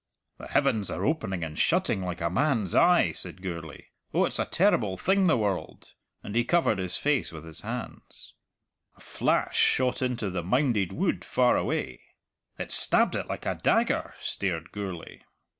"The heavens are opening and shutting like a man's eye," said Gourlay. "Oh, it's a terrible thing the world!" and he covered his face with his hands. A flash shot into a mounded wood far away. "It stabbed it like a dagger!" stared Gourlay.